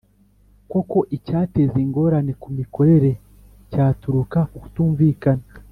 Koko icyateza ingorane ku mikorere cyaturuka kuku tumvikana